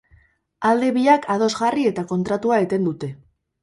Alde biak ados jarri eta kontratua eten dute.